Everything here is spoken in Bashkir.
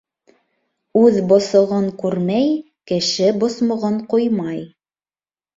Үҙ босоғон күрмәй, кеше босмоғон ҡуймай.